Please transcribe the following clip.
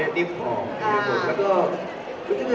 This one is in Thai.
อย่างเช่นถ้ากระโดดลงกระโดดแล้วไม่เจ็บหลัก